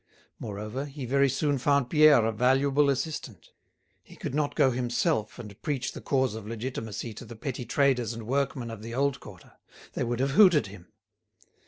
Moreover, he very soon found Pierre a valuable assistant. He could not go himself and preach the cause of Legitimacy to the petty traders and workmen of the old quarter; they would have hooted him.